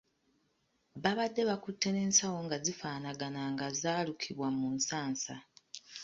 Baabadde bakutte n'ensawo nga zifaanagana nga zaalukibwa mu nsansa.